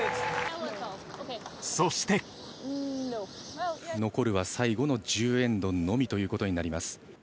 そして残るは最後の１０エンドのみということになります。